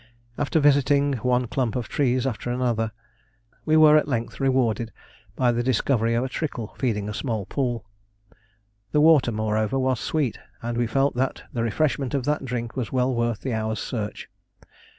After visiting one clump of trees after another, we were at length rewarded by the discovery of a trickle feeding a small pool. The water moreover was sweet, and we felt that the refreshment of that drink was well worth the hour's search.